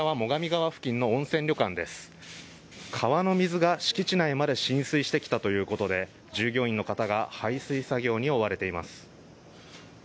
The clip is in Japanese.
川の水が敷地内まで浸水してきたということで従業員の方が排水作業に追われています。